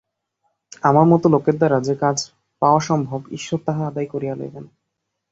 আমার মতো লোকের দ্বারা যে কাজ পাওয়া সম্ভব ঈশ্বর তাহা আদায় করিয়া লইবেন।